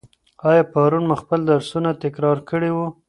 آیا پرون مو خپل درسونه تکرار کړي وو؟